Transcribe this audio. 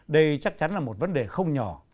đây chắc chắn là một vấn đề không nhỏ